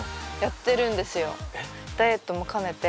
ダイエットも兼ねて。